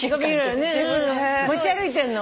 持ち歩いてんの？